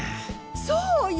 そうよ。